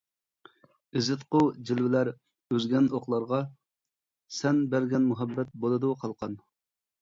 ئېزىتقۇ جىلۋىلەر ئۈزگەن ئوقلارغا، سەن بەرگەن مۇھەببەت بولىدۇ قالقان.